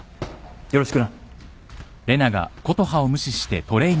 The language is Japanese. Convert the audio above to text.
よろしくな。